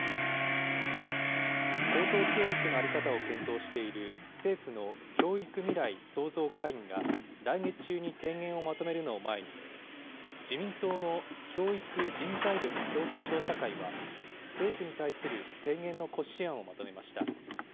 高等教育の在り方を検討している政府の教育未来創造会議が来月中に提言をまとめるのを前に、自民党の教育・人材力強化調査会は、政府に対する提言の骨子案をまとめました。